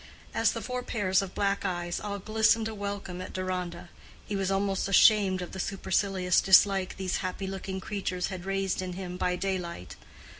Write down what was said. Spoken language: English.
As the four pairs of black eyes all glistened a welcome at Deronda, he was almost ashamed of the supercilious dislike these happy looking creatures had raised in him by daylight.